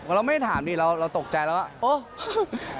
เราไม่ได้ถามดิเราตกใจแล้วว่าโอ้